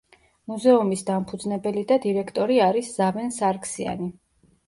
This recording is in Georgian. მუზეუმის დამფუძნებელი და დირექტორი არის ზავენ სარგსიანი.